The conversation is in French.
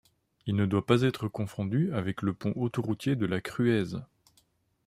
Il ne doit pas être confondu avec le pont autoroutier de la Crueize.